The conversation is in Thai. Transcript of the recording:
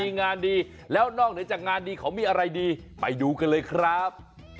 มีงานดีแล้วนอกเหนือจากงานดีเขามีอะไรดีไปดูกันเลยครับ